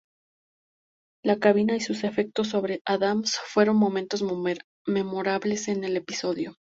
La cabina y sus efectos sobre Adams fueron momentos memorables en el episodio.